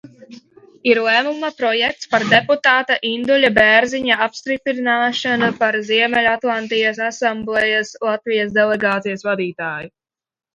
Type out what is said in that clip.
"Ir lēmuma projekts "Par deputāta Induļa Bērziņa apstiprināšanu par Ziemeļatlantijas asamblejas Latvijas delegācijas vadītāju"."